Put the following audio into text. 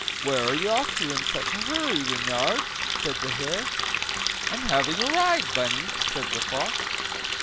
"Where are you off to in such a hurry, Reynard?" said the hare. "I'm having a ride, Bunny!" said the fox.